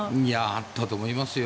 あったと思いますよ。